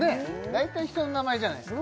大体人の名前じゃないですか